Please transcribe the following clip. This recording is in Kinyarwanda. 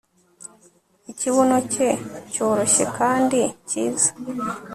ikibuno cye cyoroshye kandi cyiza